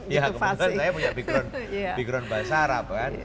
ya kebetulan saya punya background bahasa arab kan